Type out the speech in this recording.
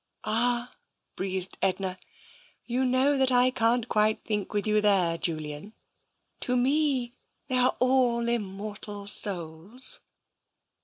" Ah," breathed Edna, " you know that I can't quite think with you there, Julian. To me, they are all im mortal souls."